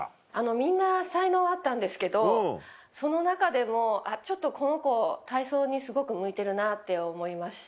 みんな才能はあったんですけどその中でもちょっとこの子体操にすごく向いてるなって思いました。